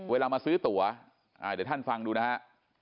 เวลามาซื้อตั๋วเดี๋ยวท่านฟังดูนะฮะ